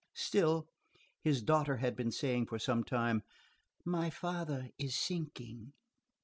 Still, his daughter had been saying for some time: "My father is sinking."